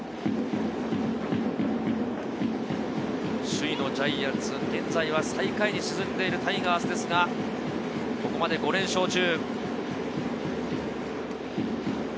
首位のジャイアンツ、現在は最下位に沈んでいるタイガースですが、ここまで５連勝中。